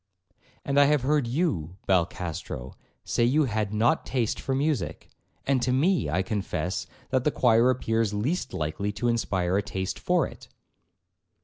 'And I have heard you, Balcastro, say you had not taste for music; and to me, I confess, that of the choir appears least likely to inspire a taste for it.'